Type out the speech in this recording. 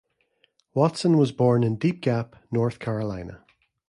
Watson was born in Deep Gap, North Carolina.